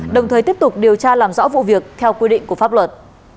đồng thời tiếp tục điều tra làm rõ vụ việc theo quy định của pháp luật